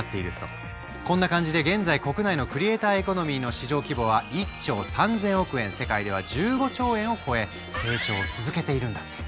こんな感じで現在国内のクリエイターエコノミーの市場規模は１兆３，０００億円世界では１５兆円を超え成長を続けているんだって。